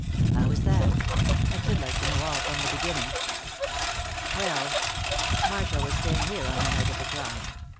"How is that? I should like to know all from the beginning." "Well, Marshall was staying here on the night of the crime.